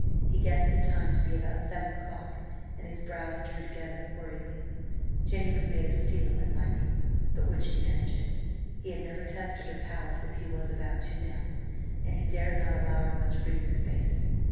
He guessed the time to be about seven o'clock, and his brows drew together worriedly. Jenny was made of steel and lightning, but would she manage it? He had never tested her powers as he was about to now, and he dared not allow her much breathing space.